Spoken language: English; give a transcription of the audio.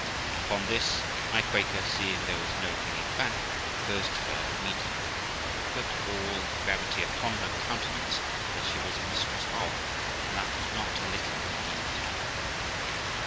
Upon this, my Quaker, seeing there was no hanging back, goes to her immediately, but put all the gravity upon her countenance that she was mistress of, and that was not a little indeed.